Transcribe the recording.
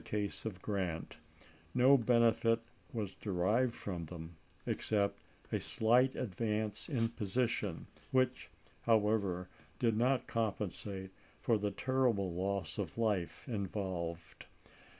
case of Grant ; no benefit was derived from them, except a slight advance in position, which, how ever, did not compensate for the terrible loss of life involved.